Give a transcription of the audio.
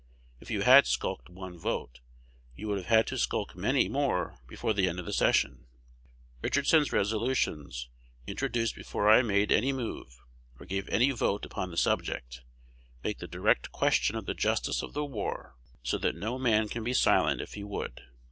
If you had skulked one vote, you would have had to skulk many more before the end of the session. Richardson's resolutions, introduced before I made any move, or gave any vote upon the subject, make the direct question of the justice of the war; so that no man can be silent if he would.